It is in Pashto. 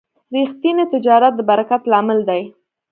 ریښتینی تجارت د برکت لامل دی.